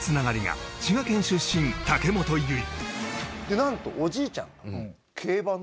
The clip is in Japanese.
なんとおじいちゃんが競馬の。